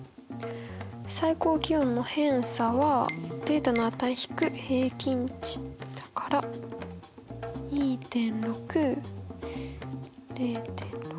最高気温の偏差はデータの値−平均値だから２．６０．６。